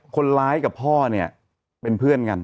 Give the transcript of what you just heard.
คนร้ายกับพ่อเนี่ยเป็นเพื่อนกัน